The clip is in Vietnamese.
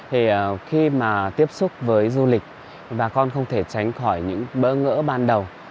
thì khi mà tiếp xúc với du lịch bà con không thể tránh khỏi những bỡ ngỡ ban đầu